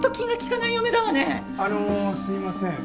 あのすいません。